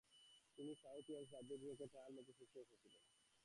তিনি New South Wales রাজ্যের বিপক্ষে একটি ট্রায়াল ম্যাচে শীর্ষে এসেছিলেন।